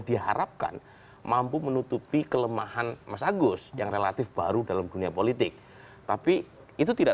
diharapkan mampu menutupi kelemahan mas agus yang relatif baru dalam dunia politik tapi itu tidak